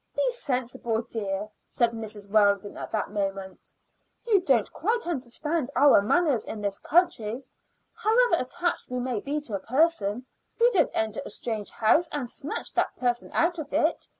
"Be sensible, dear," said Mrs. Weldon at that moment. "You don't quite understand our manners in this country. However attached we may be to a person, we don't enter a strange house and snatch that person out of it.